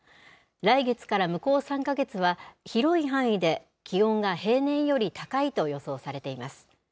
来月から向こう３か月は、広い範囲で気温が平年より高いと予想されています。